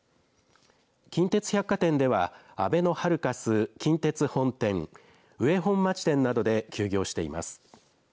近鉄百貨店ではあべのハルカス近鉄本店、上本町店などで休業しています。